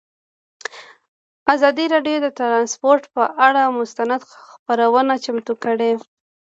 ازادي راډیو د ترانسپورټ پر اړه مستند خپرونه چمتو کړې.